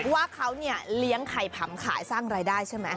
ว่าเขาเนี่ยเลี้ยงไข่ผำขายสร้างรายได้ใช่ไหม